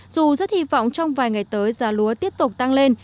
dù rất hy vọng trong vài ngày tới giá lúa tiếp tục tăng lên